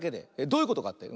どういうことかって？